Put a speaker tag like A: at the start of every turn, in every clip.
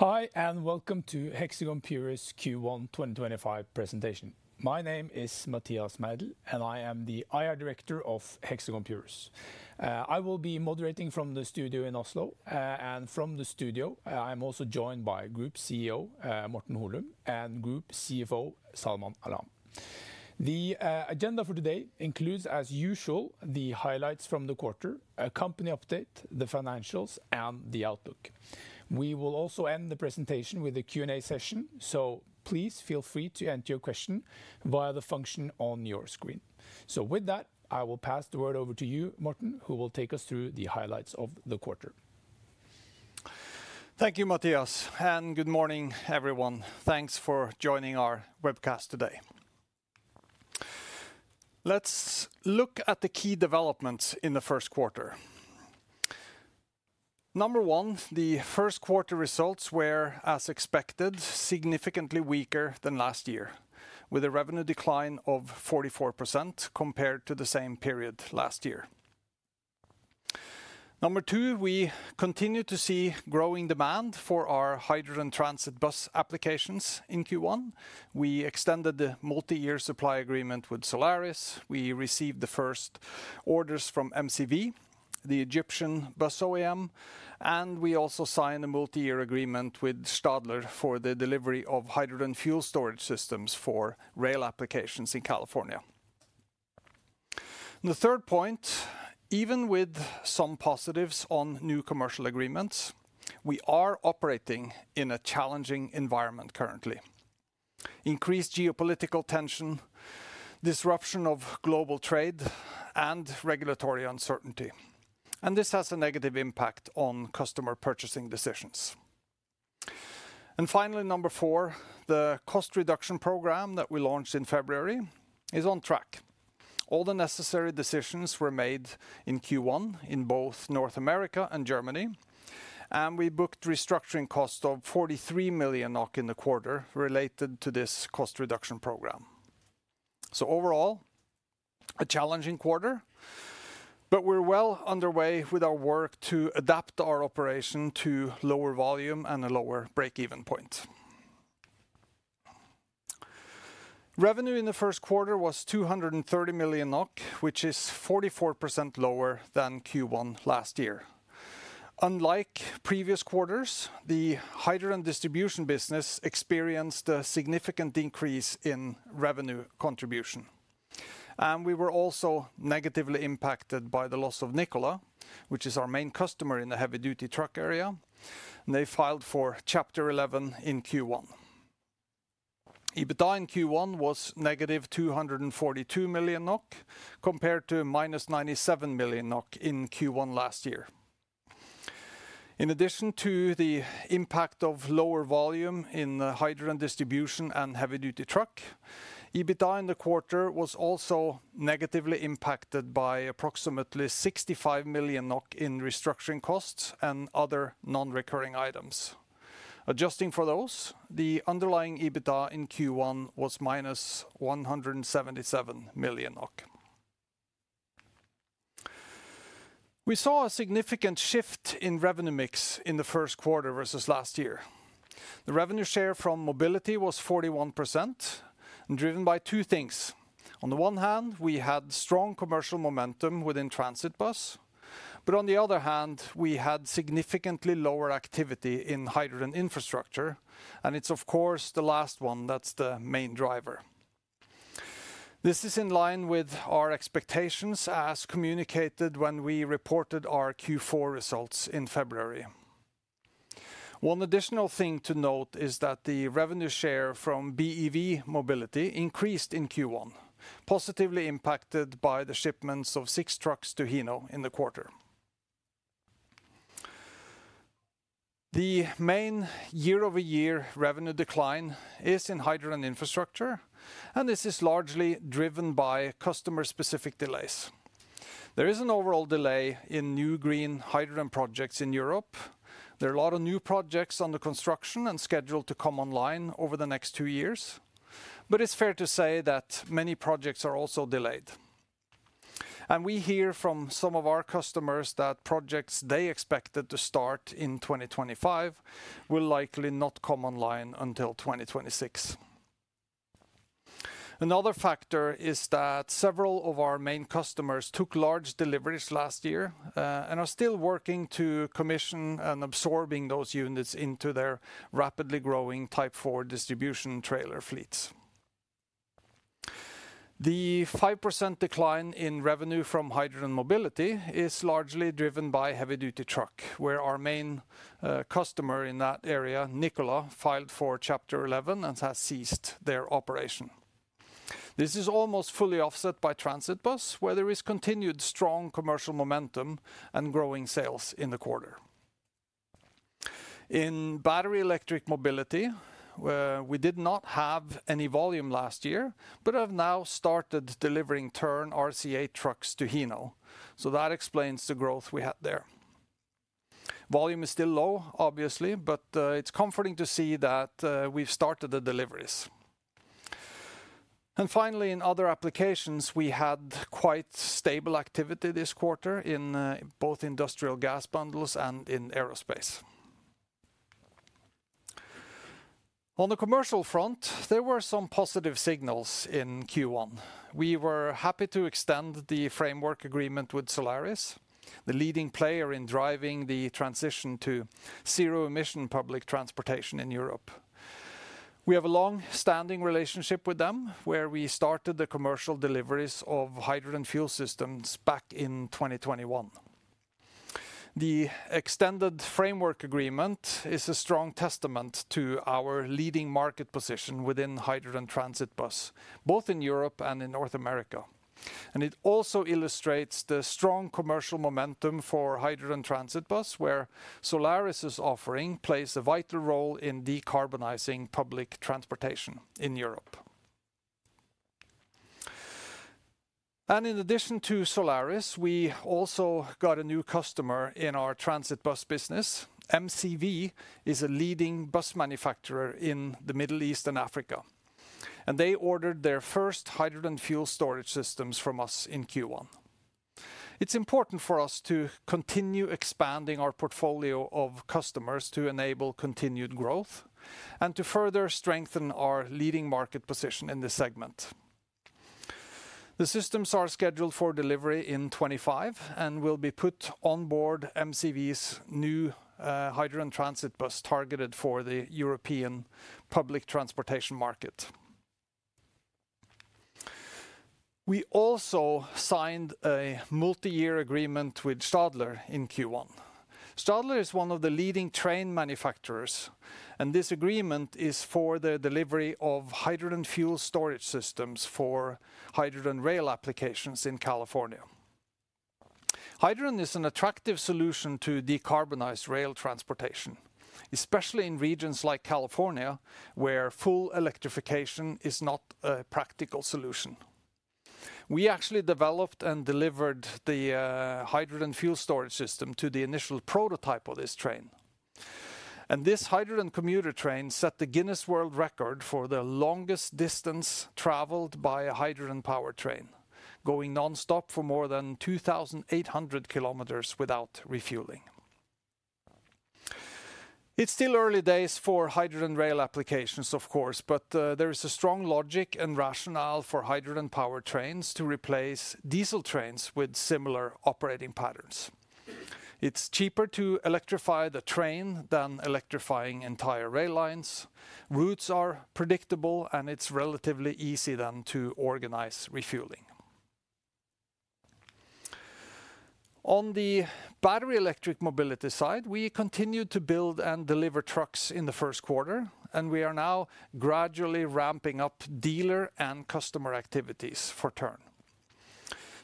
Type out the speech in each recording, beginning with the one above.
A: Hi, and welcome to Hexagon Purus Q1 2025 presentation. My name is Mathias Meidell, and I am the IR Director of Hexagon Purus. I will be moderating from the studio in Oslo, and from the studio, I am also joined by Group CEO Morten Holum and Group CFO Salman Alam. The agenda for today includes, as usual, the highlights from the quarter, a company update, the financials, and the outlook. We will also end the presentation with a Q&A session, so please feel free to enter your question via the function on your screen. With that, I will pass the word over to you, Morten, who will take us through the highlights of the quarter.
B: Thank you, Mathias, and good morning, everyone. Thanks for joining our webcast today. Let's look at the key developments in the first quarter. Number one, the first quarter results were, as expected, significantly weaker than last year, with a revenue decline of 44% compared to the same period last year. Number two, we continue to see growing demand for our hydrogen transit bus applications in Q1. We extended the multi-year supply agreement with Solaris. We received the first orders from MCV, the Egyptian bus OEM, and we also signed a multi-year agreement with Stadler for the delivery of hydrogen fuel storage systems for rail applications in California. The third point, even with some positives on new commercial agreements, we are operating in a challenging environment currently: increased geopolitical tension, disruption of global trade, and regulatory uncertainty. This has a negative impact on customer purchasing decisions. Finally, number four, the cost reduction program that we launched in February is on track. All the necessary decisions were made in Q1 in both North America and Germany, and we booked restructuring costs of 43 million NOK in the quarter related to this cost reduction program. Overall, a challenging quarter, but we're well underway with our work to adapt our operation to lower volume and a lower break-even point. Revenue in the first quarter was 230 million NOK, which is 44% lower than Q1 last year. Unlike previous quarters, the hydrogen distribution business experienced a significant increase in revenue contribution. We were also negatively impacted by the loss of Nikola, which is our main customer in the heavy-duty truck area, and they filed for Chapter 11 in Q1. EBITDA in Q1 was negative 242 million NOK compared to negative 97 million NOK in Q1 last year. In addition to the impact of lower volume in hydrogen distribution and heavy-duty truck, EBITDA in the quarter was also negatively impacted by approximately 65 million NOK in restructuring costs and other non-recurring items. Adjusting for those, the underlying EBITDA in Q1 was minus 177 million NOK. We saw a significant shift in revenue mix in the first quarter versus last year. The revenue share from mobility was 41%, driven by two things. On the one hand, we had strong commercial momentum within transit bus, but on the other hand, we had significantly lower activity in hydrogen infrastructure, and it's, of course, the last one that's the main driver. This is in line with our expectations as communicated when we reported our Q4 results in February. One additional thing to note is that the revenue share from BEV mobility increased in Q1, positively impacted by the shipments of six trucks to Hino in the quarter. The main year-over-year revenue decline is in hydrogen infrastructure, and this is largely driven by customer-specific delays. There is an overall delay in new green hydrogen projects in Europe. There are a lot of new projects under construction and scheduled to come online over the next two years, but it's fair to say that many projects are also delayed. We hear from some of our customers that projects they expected to start in 2025 will likely not come online until 2026. Another factor is that several of our main customers took large deliveries last year and are still working to commission and absorb those units into their rapidly growing Type 4 distribution trailer fleets. The 5% decline in revenue from hydrogen mobility is largely driven by heavy-duty truck, where our main customer in that area, Nikola, filed for Chapter 11 and has ceased their operation. This is almost fully offset by transit bus, where there is continued strong commercial momentum and growing sales in the quarter. In battery electric mobility, we did not have any volume last year, but have now started delivering Tern RCA trucks to Hino, so that explains the growth we had there. Volume is still low, obviously, but it's comforting to see that we've started the deliveries. Finally, in other applications, we had quite stable activity this quarter in both industrial gas bundles and in aerospace. On the commercial front, there were some positive signals in Q1. We were happy to extend the framework agreement with Solaris, the leading player in driving the transition to zero-emission public transportation in Europe. We have a long-standing relationship with them, where we started the commercial deliveries of hydrogen fuel systems back in 2021. The extended framework agreement is a strong testament to our leading market position within hydrogen transit bus, both in Europe and in North America. It also illustrates the strong commercial momentum for hydrogen transit bus, where Solaris' offering plays a vital role in decarbonizing public transportation in Europe. In addition to Solaris, we also got a new customer in our transit bus business. MCV is a leading bus manufacturer in the Middle East and Africa, and they ordered their first hydrogen fuel storage systems from us in Q1. It's important for us to continue expanding our portfolio of customers to enable continued growth and to further strengthen our leading market position in this segment. The systems are scheduled for delivery in 2025 and will be put on board MCV's new hydrogen transit bus targeted for the European public transportation market. We also signed a multi-year agreement with Stadler in Q1. Stadler is one of the leading train manufacturers, and this agreement is for the delivery of hydrogen fuel storage systems for hydrogen rail applications in California. Hydrogen is an attractive solution to decarbonize rail transportation, especially in regions like California, where full electrification is not a practical solution. We actually developed and delivered the hydrogen fuel storage system to the initial prototype of this train. This hydrogen commuter train set the Guinness World Record for the longest distance traveled by a hydrogen power train, going non-stop for more than 2,800 km without refueling. It is still early days for hydrogen rail applications, of course, but there is a strong logic and rationale for hydrogen power trains to replace diesel trains with similar operating patterns. It is cheaper to electrify the train than electrifying entire rail lines. Routes are predictable, and it is relatively easy then to organize refueling. On the battery electric mobility side, we continued to build and deliver trucks in the first quarter, and we are now gradually ramping up dealer and customer activities for Tern.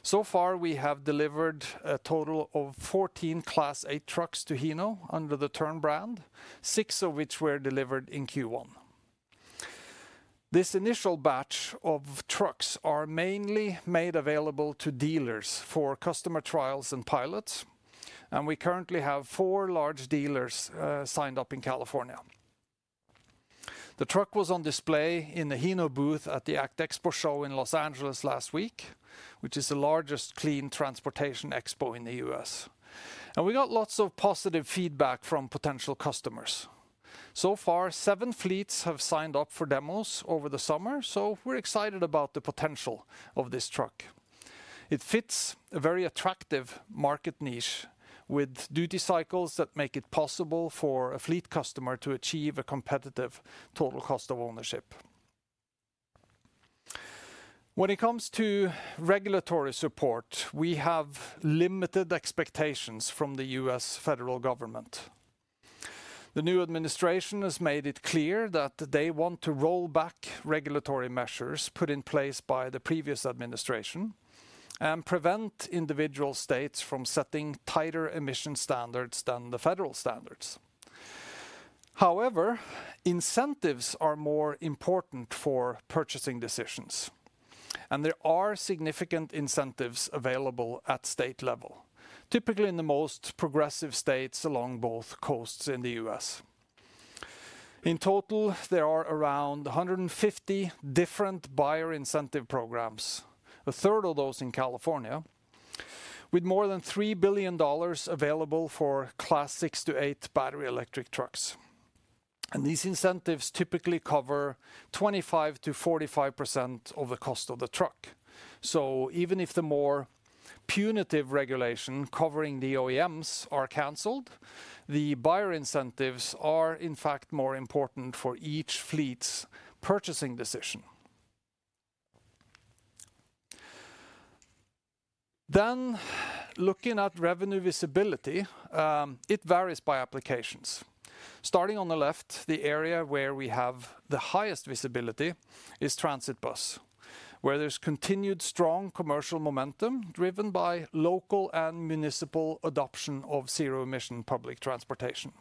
B: So far, we have delivered a total of 14 Class 8 trucks to Hino under the Tern brand, six of which were delivered in Q1. This initial batch of trucks is mainly made available to dealers for customer trials and pilots, and we currently have four large dealers signed up in California. The truck was on display in the Hino booth at the ACT Expo show in Los Angeles last week, which is the largest clean transportation expo in the U.S. We got lots of positive feedback from potential customers. So far, seven fleets have signed up for demos over the summer, so we're excited about the potential of this truck. It fits a very attractive market niche with duty cycles that make it possible for a fleet customer to achieve a competitive total cost of ownership. When it comes to regulatory support, we have limited expectations from the U.S. federal government. The new administration has made it clear that they want to roll back regulatory measures put in place by the previous administration and prevent individual states from setting tighter emission standards than the federal standards. However, incentives are more important for purchasing decisions, and there are significant incentives available at state level, typically in the most progressive states along both coasts in the U.S. In total, there are around 150 different buyer incentive programs, a third of those in California, with more than $3 billion available for Class 6-8 battery electric trucks. These incentives typically cover 25-45% of the cost of the truck. Even if the more punitive regulation covering the OEMs is canceled, the buyer incentives are, in fact, more important for each fleet's purchasing decision. Looking at revenue visibility, it varies by applications. Starting on the left, the area where we have the highest visibility is transit bus, where there's continued strong commercial momentum driven by local and municipal adoption of zero-emission public transportation.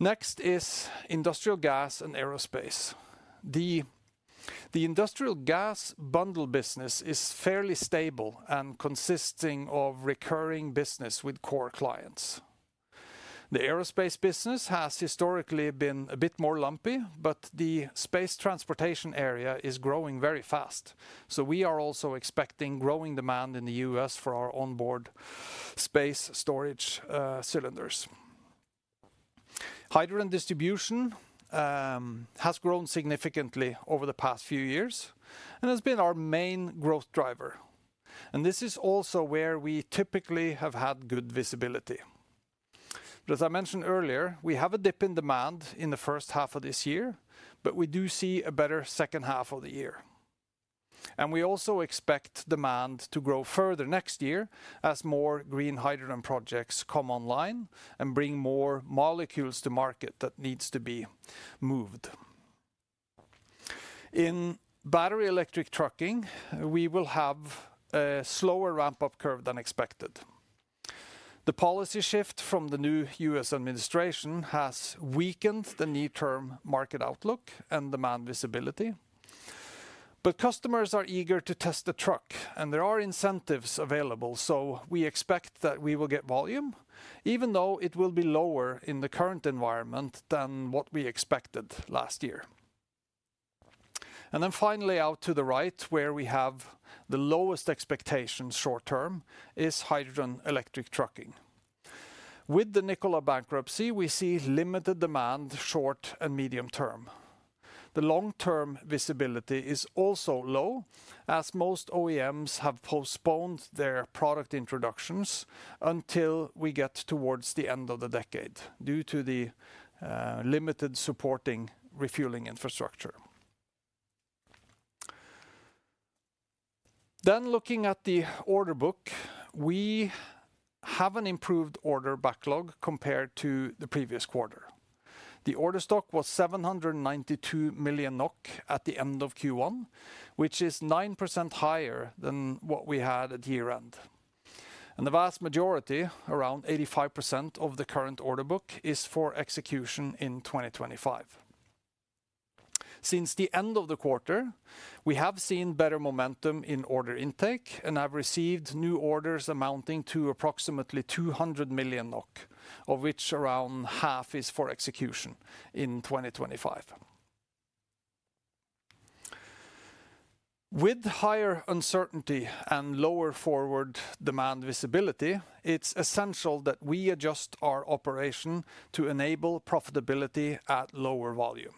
B: Next is industrial gas and aerospace. The industrial gas bundle business is fairly stable and consisting of recurring business with core clients. The aerospace business has historically been a bit more lumpy, but the space transportation area is growing very fast, so we are also expecting growing demand in the US for our onboard space storage cylinders. Hydrogen distribution has grown significantly over the past few years and has been our main growth driver. This is also where we typically have had good visibility. As I mentioned earlier, we have a dip in demand in the first half of this year, but we do see a better second half of the year. We also expect demand to grow further next year as more green hydrogen projects come online and bring more molecules to market that need to be moved. In battery electric trucking, we will have a slower ramp-up curve than expected. The policy shift from the new US administration has weakened the near-term market outlook and demand visibility. Customers are eager to test the truck, and there are incentives available, so we expect that we will get volume, even though it will be lower in the current environment than what we expected last year. Finally, out to the right, where we have the lowest expectations short-term, is hydrogen electric trucking. With the Nikola bankruptcy, we see limited demand short and medium-term. The long-term visibility is also low, as most OEMs have postponed their product introductions until we get towards the end of the decade due to the limited supporting refueling infrastructure. Looking at the order book, we have an improved order backlog compared to the previous quarter. The order stock was 792 million NOK at the end of Q1, which is 9% higher than what we had at year-end. The vast majority, around 85% of the current order book, is for execution in 2025. Since the end of the quarter, we have seen better momentum in order intake and have received new orders amounting to approximately 200 million NOK, of which around half is for execution in 2025. With higher uncertainty and lower forward demand visibility, it is essential that we adjust our operation to enable profitability at lower volume.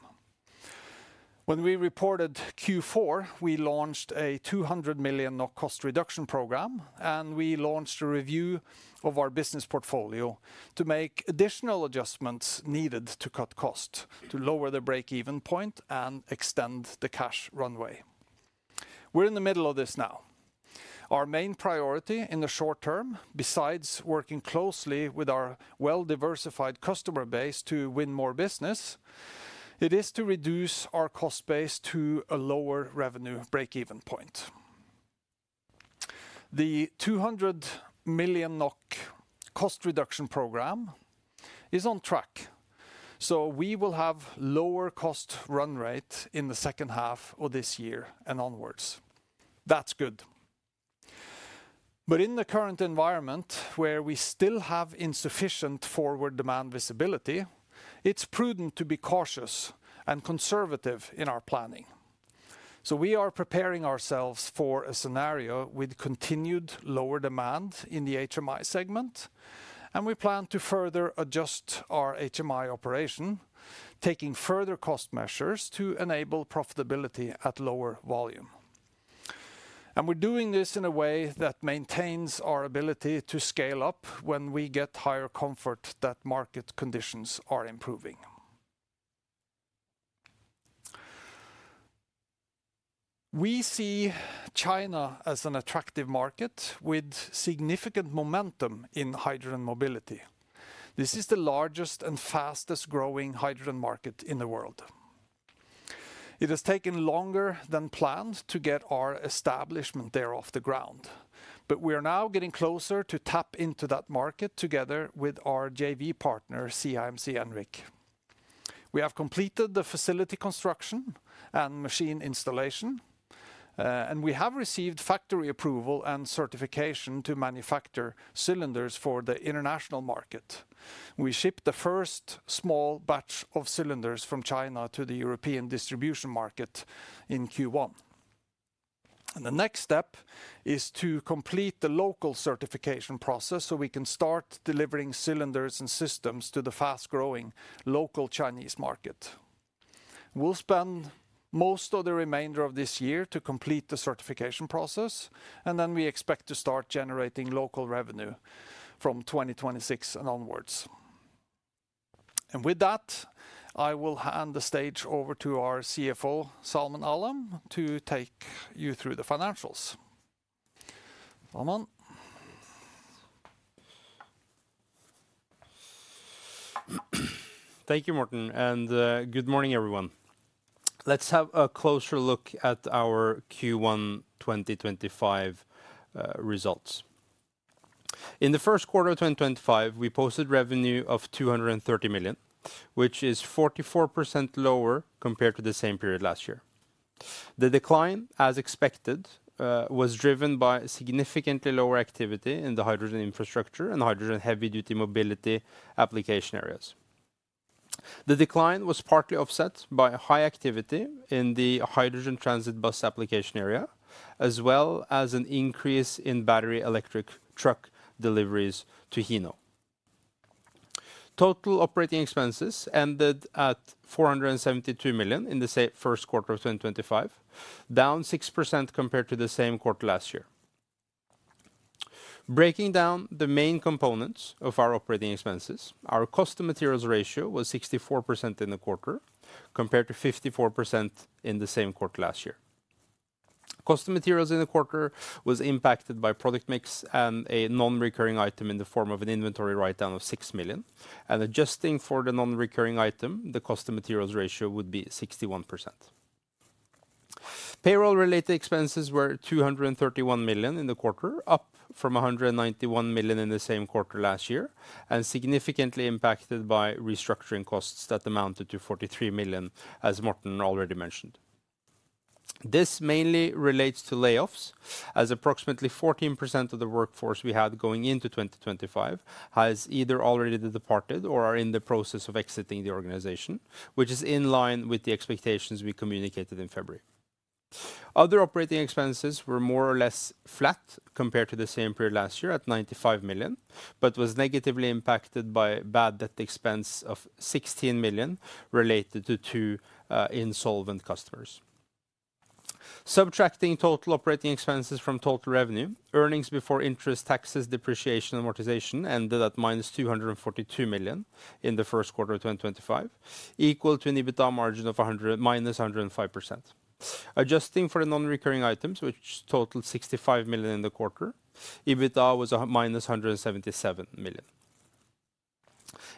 B: When we reported Q4, we launched a 200 million NOK cost reduction program, and we launched a review of our business portfolio to make additional adjustments needed to cut costs, to lower the break-even point and extend the cash runway. We're in the middle of this now. Our main priority in the short term, besides working closely with our well-diversified customer base to win more business, is to reduce our cost base to a lower revenue break-even point. The 200 million NOK cost reduction program is on track, so we will have a lower cost run rate in the second half of this year and onwards. That is good. In the current environment, where we still have insufficient forward demand visibility, it is prudent to be cautious and conservative in our planning. We are preparing ourselves for a scenario with continued lower demand in the HMI segment, and we plan to further adjust our HMI operation, taking further cost measures to enable profitability at lower volume. We are doing this in a way that maintains our ability to scale up when we get higher comfort that market conditions are improving. We see China as an attractive market with significant momentum in hydrogen mobility. This is the largest and fastest-growing hydrogen market in the world. It has taken longer than planned to get our establishment there off the ground, but we are now getting closer to tap into that market together with our JV partner, CIMC Enric. We have completed the facility construction and machine installation, and we have received factory approval and certification to manufacture cylinders for the international market. We shipped the first small batch of cylinders from China to the European distribution market in Q1. The next step is to complete the local certification process so we can start delivering cylinders and systems to the fast-growing local Chinese market. We'll spend most of the remainder of this year to complete the certification process, and then we expect to start generating local revenue from 2026 and onwards. With that, I will hand the stage over to our CFO, Salman Alam, to take you through the financials. Salman.
C: Thank you, Morten, and good morning, everyone. Let's have a closer look at our Q1 2025 results. In the first quarter of 2025, we posted revenue of 230 million, which is 44% lower compared to the same period last year. The decline, as expected, was driven by significantly lower activity in the hydrogen infrastructure and hydrogen heavy-duty mobility application areas. The decline was partly offset by high activity in the hydrogen transit bus application area, as well as an increase in battery electric truck deliveries to Hino. Total operating expenses ended at 472 million in the first quarter of 2025, down 6% compared to the same quarter last year. Breaking down the main components of our operating expenses, our cost of materials ratio was 64% in the quarter compared to 54% in the same quarter last year. Cost of materials in the quarter was impacted by product mix and a non-recurring item in the form of an inventory write-down of 6 million. Adjusting for the non-recurring item, the cost of materials ratio would be 61%. Payroll-related expenses were 231 million in the quarter, up from 191 million in the same quarter last year, and significantly impacted by restructuring costs that amounted to 43 million, as Morten already mentioned. This mainly relates to layoffs, as approximately 14% of the workforce we had going into 2025 has either already departed or is in the process of exiting the organization, which is in line with the expectations we communicated in February. Other operating expenses were more or less flat compared to the same period last year at 95 million, but were negatively impacted by bad debt expense of 16 million related to two insolvent customers. Subtracting total operating expenses from total revenue, earnings before interest, taxes, depreciation, and amortization ended at minus 242 million in the first quarter of 2025, equal to an EBITDA margin of minus 105%. Adjusting for the non-recurring items, which totaled 65 million in the quarter, EBITDA was minus 177 million.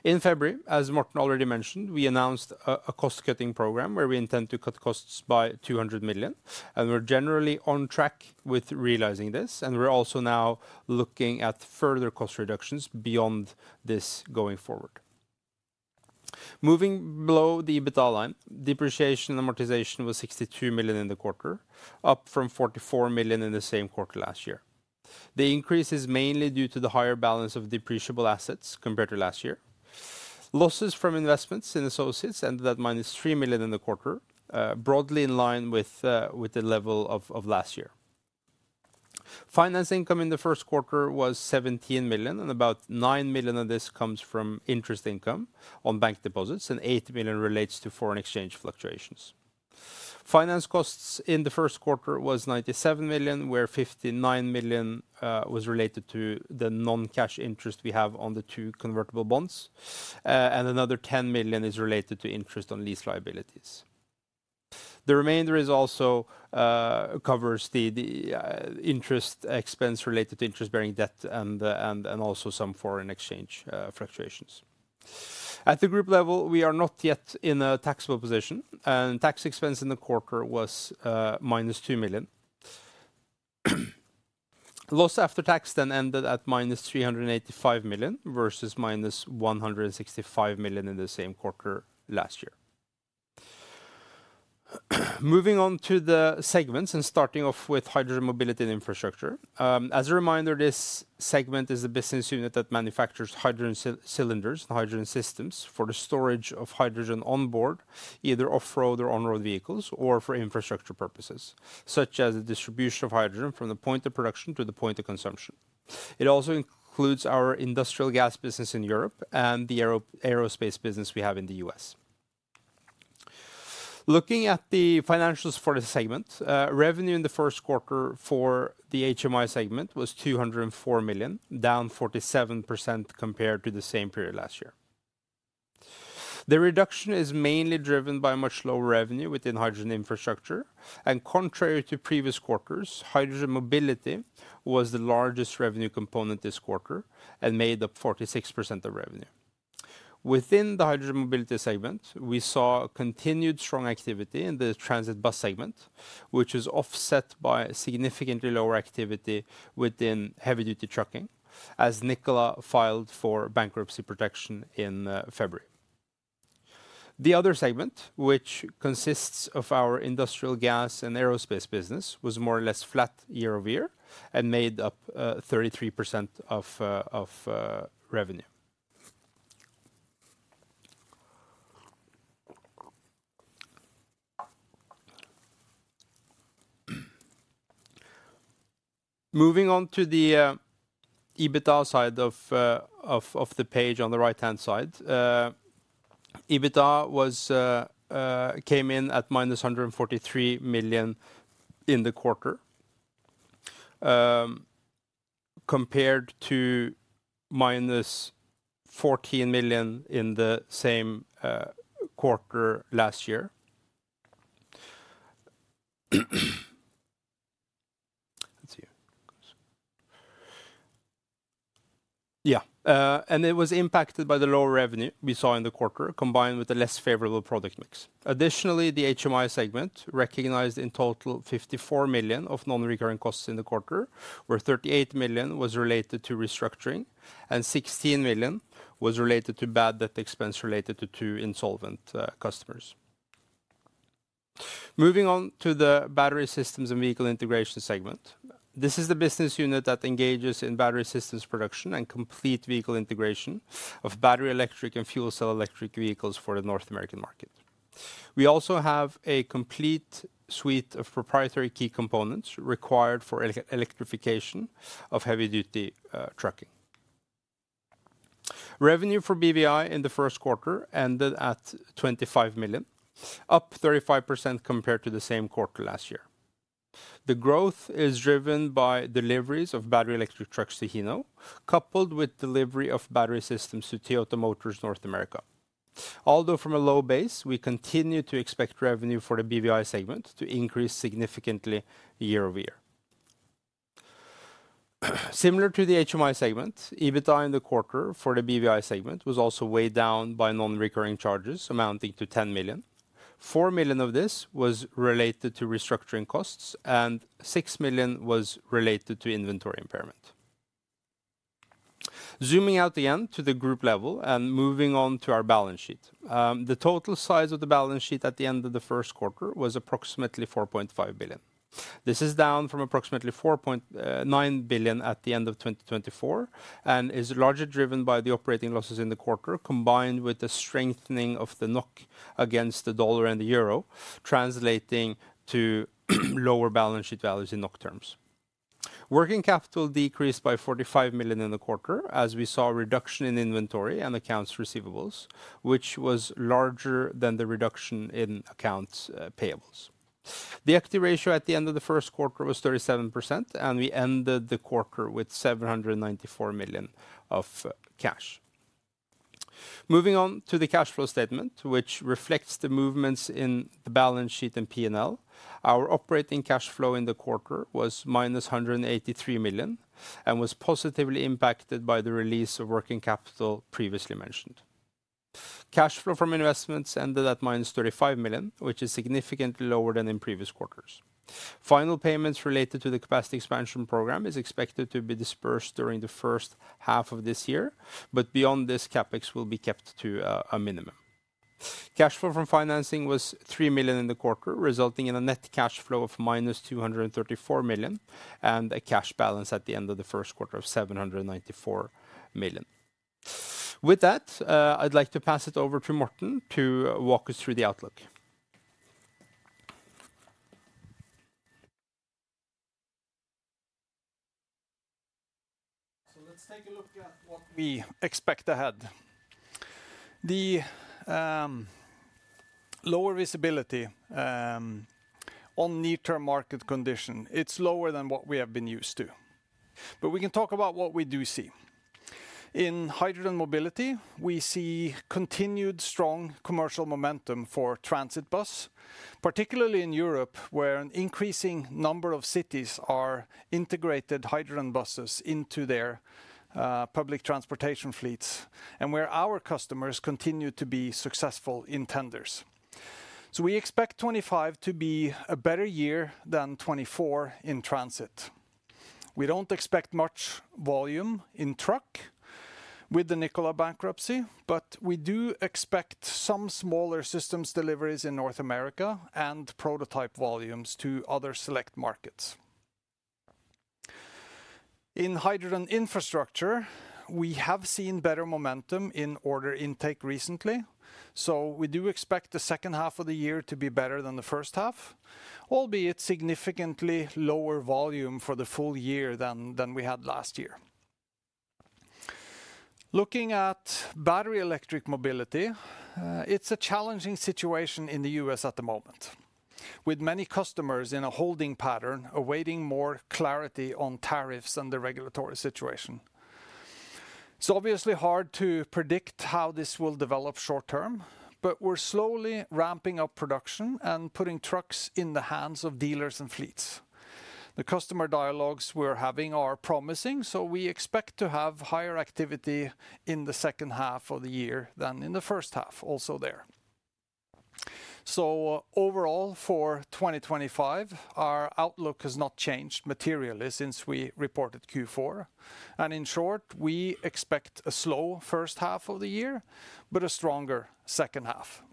C: In February, as Morten already mentioned, we announced a cost-cutting program where we intend to cut costs by 200 million, and we're generally on track with realizing this, and we're also now looking at further cost reductions beyond this going forward. Moving below the EBITDA line, depreciation and amortization was 62 million in the quarter, up from 44 million in the same quarter last year. The increase is mainly due to the higher balance of depreciable assets compared to last year. Losses from investments in associates ended at minus 3 million in the quarter, broadly in line with the level of last year. Finance income in the first quarter was 17 million, and about 9 million of this comes from interest income on bank deposits, and 8 million relates to foreign exchange fluctuations. Finance costs in the first quarter were 97 million, where 59 million was related to the non-cash interest we have on the two convertible bonds, and another 10 million is related to interest on lease liabilities. The remainder also covers the interest expense related to interest-bearing debt and also some foreign exchange fluctuations. At the group level, we are not yet in a taxable position, and tax expense in the quarter was minus 2 million. Loss after tax then ended at minus 385 million versus minus 165 million in the same quarter last year. Moving on to the segments and starting off with hydrogen mobility and infrastructure. As a reminder, this segment is the business unit that manufactures hydrogen cylinders and hydrogen systems for the storage of hydrogen on board, either off-road or on-road vehicles, or for infrastructure purposes, such as the distribution of hydrogen from the point of production to the point of consumption. It also includes our industrial gas business in Europe and the aerospace business we have in the US. Looking at the financials for the segment, revenue in the first quarter for the HMI segment was 204 million, down 47% compared to the same period last year. The reduction is mainly driven by much lower revenue within hydrogen infrastructure, and contrary to previous quarters, hydrogen mobility was the largest revenue component this quarter and made up 46% of revenue. Within the hydrogen mobility segment, we saw continued strong activity in the transit bus segment, which was offset by significantly lower activity within heavy-duty trucking, as Nikola filed for bankruptcy protection in February. The other segment, which consists of our industrial gas and aerospace business, was more or less flat year over year and made up 33% of revenue. Moving on to the EBITDA side of the page on the right-hand side, EBITDA came in at minus 143 million in the quarter, compared to minus 14 million in the same quarter last year. Let's see. Yeah, and it was impacted by the lower revenue we saw in the quarter, combined with a less favorable product mix. Additionally, the HMI segment recognized in total 54 million of non-recurring costs in the quarter, where 38 million was related to restructuring and 16 million was related to bad debt expense related to two insolvent customers. Moving on to the battery systems and vehicle integration segment, this is the business unit that engages in battery systems production and complete vehicle integration of battery electric and fuel cell electric vehicles for the North American market. We also have a complete suite of proprietary key components required for electrification of heavy-duty trucking. Revenue for BVI in the first quarter ended at 25 million, up 35% compared to the same quarter last year. The growth is driven by deliveries of battery electric trucks to Hino, coupled with delivery of battery systems to Toyota Motor North America. Although from a low base, we continue to expect revenue for the BVI segment to increase significantly year over year. Similar to the HMI segment, EBITDA in the quarter for the BVI segment was also weighed down by non-recurring charges amounting to 10 million. 4 million of this was related to restructuring costs, and 6 million was related to inventory impairment. Zooming out again to the group level and moving on to our balance sheet, the total size of the balance sheet at the end of the first quarter was approximately 4.5 billion. This is down from approximately 4.9 billion at the end of 2024 and is largely driven by the operating losses in the quarter, combined with the strengthening of the NOK against the dollar and the euro, translating to lower balance sheet values in NOK terms. Working capital decreased by 45 million in the quarter, as we saw a reduction in inventory and accounts receivables, which was larger than the reduction in accounts payables. The equity ratio at the end of the first quarter was 37%, and we ended the quarter with 794 million of cash. Moving on to the cash flow statement, which reflects the movements in the balance sheet and P&L, our operating cash flow in the quarter was minus 183 million and was positively impacted by the release of working capital previously mentioned. Cash flow from investments ended at minus 35 million, which is significantly lower than in previous quarters. Final payments related to the capacity expansion program are expected to be disbursed during the first half of this year, but beyond this, CapEx will be kept to a minimum. Cash flow from financing was 3 million in the quarter, resulting in a net cash flow of minus 234 million and a cash balance at the end of the first quarter of 794 million. With that, I'd like to pass it over to Morten to walk us through the outlook.
B: Let's take a look at what we expect ahead. The lower visibility on near-term market condition, it's lower than what we have been used to. We can talk about what we do see. In hydrogen mobility, we see continued strong commercial momentum for transit bus, particularly in Europe, where an increasing number of cities are integrating hydrogen buses into their public transportation fleets and where our customers continue to be successful in tenders. We expect 2025 to be a better year than 2024 in transit. We don't expect much volume in truck with the Nikola bankruptcy, but we do expect some smaller systems deliveries in North America and prototype volumes to other select markets. In hydrogen infrastructure, we have seen better momentum in order intake recently, so we do expect the second half of the year to be better than the first half, albeit significantly lower volume for the full year than we had last year. Looking at battery electric mobility, it's a challenging situation in the US at the moment, with many customers in a holding pattern awaiting more clarity on tariffs and the regulatory situation. It's obviously hard to predict how this will develop short term, but we're slowly ramping up production and putting trucks in the hands of dealers and fleets. The customer dialogues we're having are promising, so we expect to have higher activity in the second half of the year than in the first half also there. Overall, for 2025, our outlook has not changed materially since we reported Q4. In short, we expect a slow first half of the year, but a stronger second half.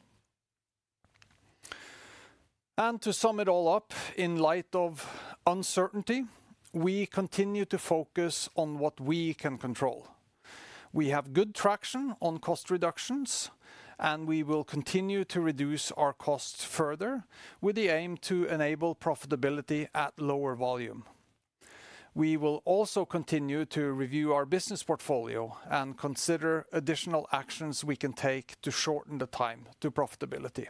B: To sum it all up, in light of uncertainty, we continue to focus on what we can control. We have good traction on cost reductions, and we will continue to reduce our costs further with the aim to enable profitability at lower volume. We will also continue to review our business portfolio and consider additional actions we can take to shorten the time to profitability.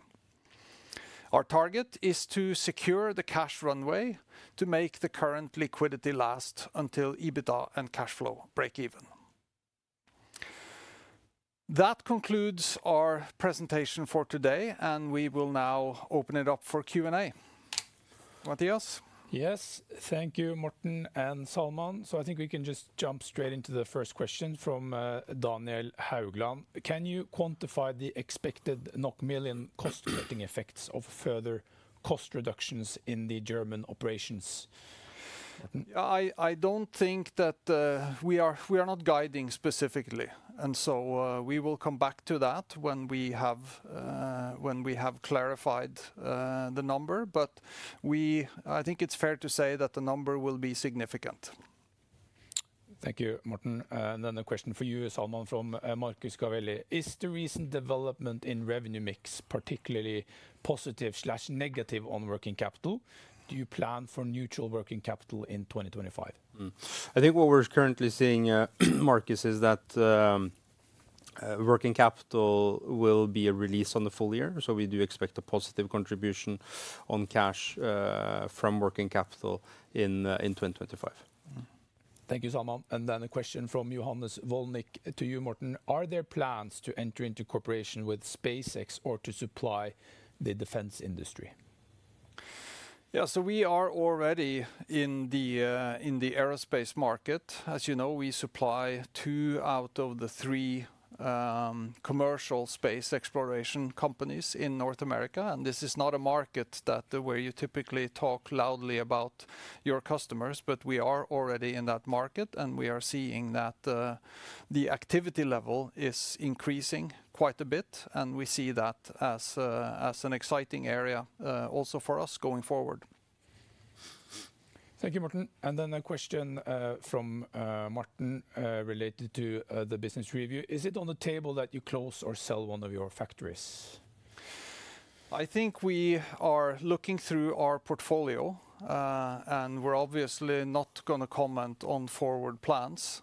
B: Our target is to secure the cash runway to make the current liquidity last until EBITDA and cash flow break even. That concludes our presentation for today, and we will now open it up for Q&A.
A: Mattias? Yes, thank you, Morten and Salman. I think we can just jump straight into the first question from Daniel Haugland. Can you quantify the expected million cost-cutting effects of further cost reductions in the German operations?
B: I do not think that we are guiding specifically, and we will come back to that when we have clarified the number, but I think it is fair to say that the number will be significant.
A: Thank you, Morten. The question for you, Salman, from Markus Gavelli. Is the recent development in revenue mix particularly positive/negative on working capital? Do you plan for neutral working capital in 2025?
C: I think what we're currently seeing, Markus, is that working capital will be a release on the full year, so we do expect a positive contribution on cash from working capital in 2025.
A: Thank you, Salman. A question from Johannes Wollénick to you, Morten. Are there plans to enter into cooperation with SpaceX or to supply the defense industry?
B: Yeah, we are already in the aerospace market. As you know, we supply two out of the three commercial space exploration companies in North America, and this is not a market where you typically talk loudly about your customers, but we are already in that market, and we are seeing that the activity level is increasing quite a bit, and we see that as an exciting area also for us going forward.
A: Thank you, Morten. A question for Morten related to the business review. Is it on the table that you close or sell one of your factories?
B: I think we are looking through our portfolio, and we are obviously not going to comment on forward plans,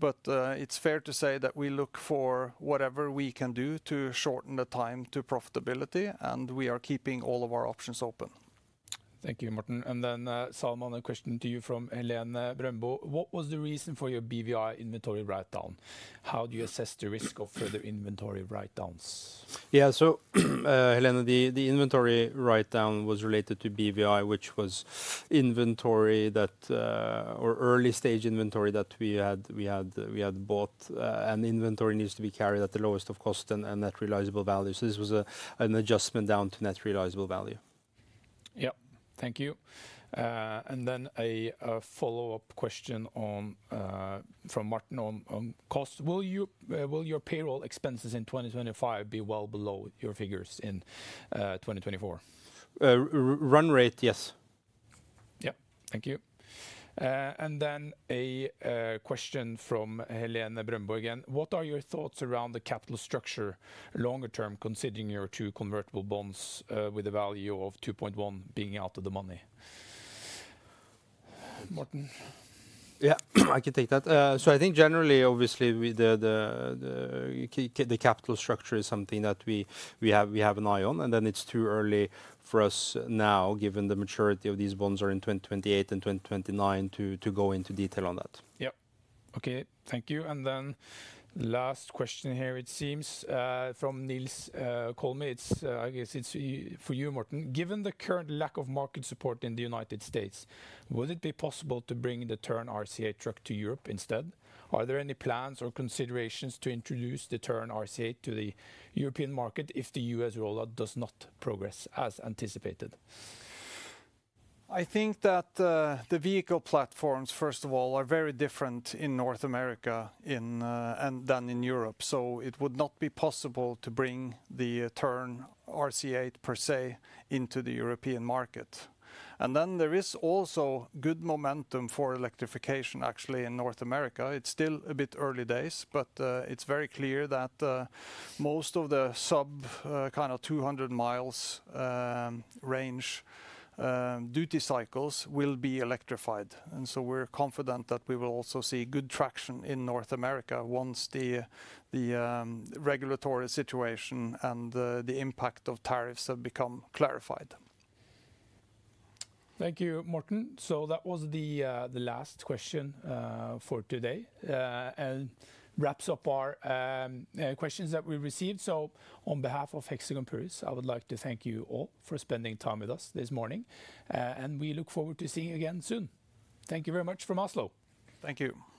B: but it is fair to say that we look for whatever we can do to shorten the time to profitability, and we are keeping all of our options open.
A: Thank you, Morten. Thank you, Salman, a question to you from Helene Brønnbo. What was the reason for your BVI inventory write-down? How do you assess the risk of further inventory write-downs?
C: Yeah, so Helene, the inventory write-down was related to BVI, which was inventory that, or early stage inventory that we had bought, and inventory needs to be carried at the lowest of cost and net realizable value. This was an adjustment down to net realizable value. Yeah, thank you.
A: Then a follow-up question from Morten on cost. Will your payroll expenses in 2025 be well below your figures in 2024?
B: Run rate, yes.
A: Yeah, thank you. Then a question from Helene Brønnbo again. What are your thoughts around the capital structure longer term, considering your two convertible bonds with a value of 2.1 billion being out of the money? Morten?
B: Yeah, I can take that. I think generally, obviously, the capital structure is something that we have an eye on, and then it's too early for us now, given the maturity of these bonds are in 2028 and 2029, to go into detail on that.
A: Yeah, okay, thank you. Then last question here, it seems, from Niels Colme. I guess it's for you, Morten. Given the current lack of market support in the U.S., would it be possible to bring the Tern RCA truck to Europe instead? Are there any plans or considerations to introduce the Tern RCA to the European market if the U.S. rollout does not progress as anticipated?
B: I think that the vehicle platforms, first of all, are very different in North America than in Europe, so it would not be possible to bring the Tern RCA per se into the European market. There is also good momentum for electrification, actually, in North America. It's still a bit early days, but it's very clear that most of the sub kind of 200 mi range duty cycles will be electrified. We are confident that we will also see good traction in North America once the regulatory situation and the impact of tariffs have become clarified.
A: Thank you, Morten. That was the last question for today and wraps up our questions that we received. On behalf of Hexagon Purus, I would like to thank you all for spending time with us this morning, and we look forward to seeing you again soon. Thank you very much from Oslo.
B: Thank you.